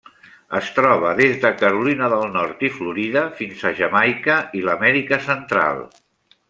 Es troba des de Carolina del Nord i Florida fins a Jamaica i l'Amèrica Central.